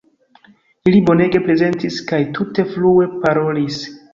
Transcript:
Ili bonege prezentis kaj tute flue parolis.